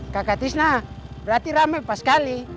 kakak tisna berarti ramai pas kali